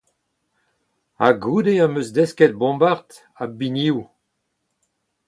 Ha goude em eus desket bombard ha binioù.